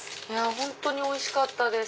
本当においしかったです